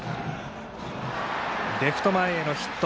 レフト前へのヒット。